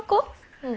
うん。